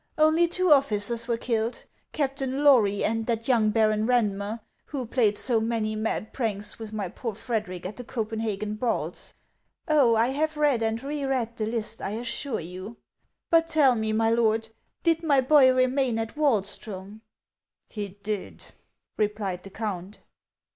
Only two officers were killed, — Captain Lory and that young Baron liandiuer, who played so many mad pranks with iny poor Frederic at the Copenhagen balls. Oh, 1 have read and re read the list, I assure you. But tell me, my lord, did my boy remain at Wahlstrom ?"" He did," replied the count.